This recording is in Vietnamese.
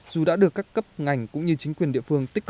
dù đã được các nhà chăn nuôi